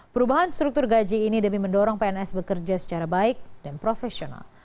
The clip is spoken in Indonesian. perubahan struktur gaji ini demi mendorong pns bekerja secara baik dan profesional